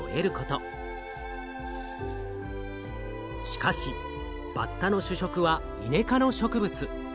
しかしバッタの主食はイネ科の植物。